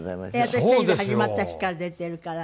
私テレビ始まった日から出てるから。